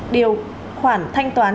điều khoản thanh toán